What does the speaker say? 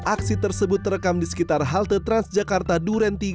aksi tersebut terekam di sekitar halte transjakarta duren tiga